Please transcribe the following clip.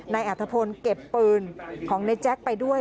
นายอัธพลเก็บปืนของในแจ๊คไปด้วย